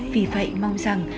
vì vậy mong rằng